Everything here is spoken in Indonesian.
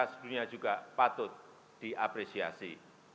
sejujurnya juga patut diapresiasi